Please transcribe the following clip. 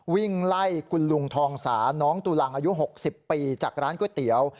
วิ่งไล่คุณลุงทองสาน้องตุลังอายุ๖๐ปีจากร้านก๋วยเตี๋ยว